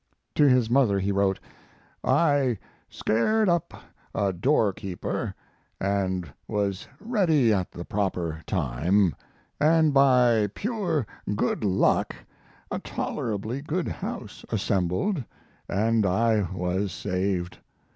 To his mother he wrote: I scared up a doorkeeper and was ready at the proper time, and by pure good luck a tolerably good house assembled and I was saved.